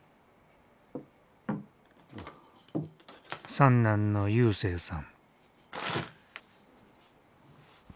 三男の勇征さん。